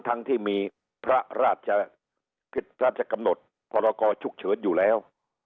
ทั้งที่มีพระราชกระจกำหนดกรกชุกเฉินอยู่แล้ว